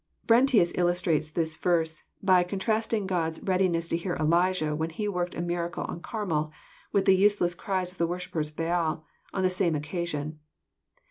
Brentius illustrates this verse, by contrasting God's readi ness to hear Elijah when he worked a miracle on Carmel, with the useless cries of the worshippers of Baal on the same occa sion.